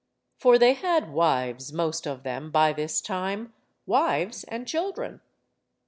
For they had wives, most of them, by this time, wives and children.